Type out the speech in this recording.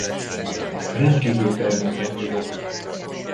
Rendkívül termékeny író.